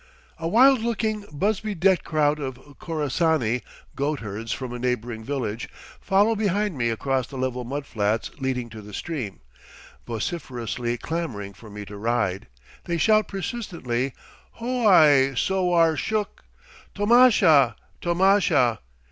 A wild looking, busby decked crowd of Khorassani goatherds from a neighboring village follow behind me across the level mudflats leading to the stream, vociferously clamoring for me to ride. They shout persistently: "H o i! Sowar shuk; tomasha! tomasha!"